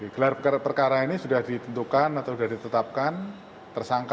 gelar perkara ini sudah ditentukan atau sudah ditetapkan tersangka